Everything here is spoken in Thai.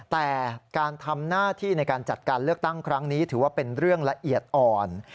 แต่การทำหน้าที่ในการจัดการเลือกตั้งครั้งนี้ถือว่าเป็นเรื่องละเอียดอ่อน